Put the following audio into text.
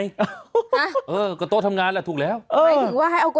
นี่โต๊ะทำงานหรือเหรอหคะ